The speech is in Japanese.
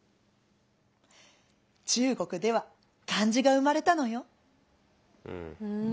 中国では漢字が生まれたのよ。